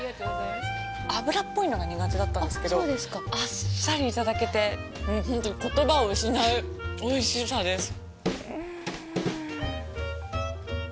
脂っぽいのが苦手だったんですけどあっさりいただけて本当に言葉を失うおいしさです。